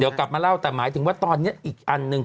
เดี๋ยวกลับมาเล่าแต่หมายถึงว่าตอนนี้อีกอันหนึ่ง